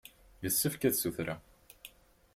Yessefk ad ssutreɣ.